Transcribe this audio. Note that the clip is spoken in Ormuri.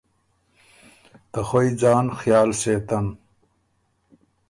ته خوئ ځان خیال سېتن